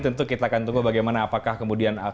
tentu kita akan tunggu bagaimana apakah kemudian